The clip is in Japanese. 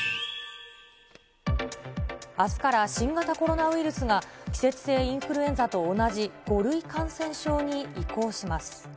あすから新型コロナウイルスが、季節性インフルエンザと同じ５類感染症に移行します。